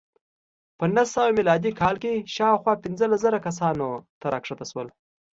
په نهه سوه میلادي کال کې شاوخوا پنځلس زره کسانو ته راښکته شول